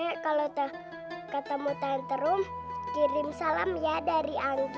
nene kalau ketemu tante rum kirim salam ya dari anggi